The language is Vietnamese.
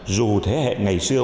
dù thế hệ ngày xưa